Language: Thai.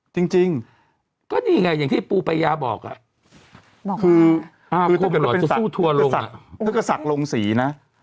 พิงก็สัคลงสีลงนอะ